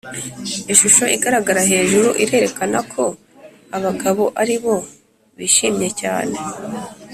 Ishusho igaragara hejuru irerekana ko abagabo aribo bishimye cyane